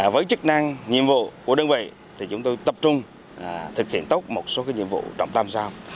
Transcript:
với chức năng nhiệm vụ của đơn vị thì chúng tôi tập trung thực hiện tốt một số nhiệm vụ trong ba sao